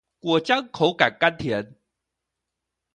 果漿口感甘甜